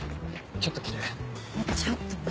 ちょっと何？